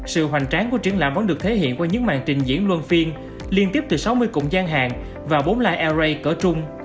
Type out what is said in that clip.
sự hoành tráng của triển lãm vẫn được thể hiện qua những màn trình diễn luân phiên liên tiếp từ sáu mươi cụm gian hàng và bốn liray cỡ trung